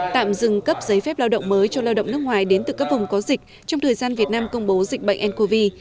tạm dừng cấp giấy phép lao động mới cho lao động nước ngoài đến từ các vùng có dịch trong thời gian việt nam công bố dịch bệnh ncov